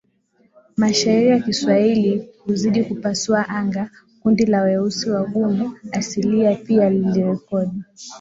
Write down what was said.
mashairi ya Kiswahili uzidi kupasua anga Kundi la Weusi Wagumu Asilia pia lilirekodi